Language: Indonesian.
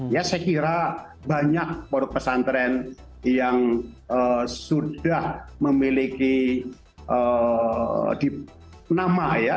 ya saya kira banyak pondok pesantren yang sudah memiliki nama ya